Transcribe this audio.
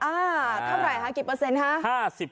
เท่าไหร่คะกี่เปอร์เซ็นต์ฮะ